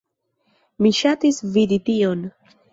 Mi ŝatis vidi tion.